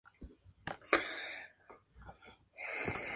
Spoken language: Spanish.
Helsinki-Vantaa tiene dos terminales, terminal uno y dos.